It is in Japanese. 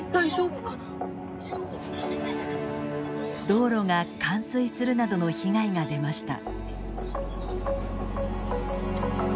道路が冠水するなどの被害が出ました。